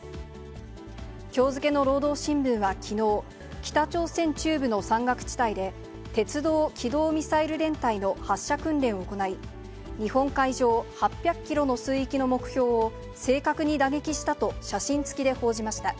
きょう付けの労働新聞はきのう、北朝鮮中部の山岳地帯で、鉄道機動ミサイル連隊の発射訓練を行い、日本海上８００キロの水域の目標を正確に打撃したと写真付きで報じました。